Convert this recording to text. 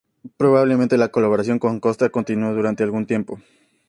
Probablemente la colaboración con Costa continuó durante algún tiempo.